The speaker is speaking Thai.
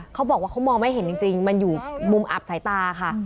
เขาบอกว่าเขามองไม่เห็นจริงมันอยู่มุมอับสายตาค่ะ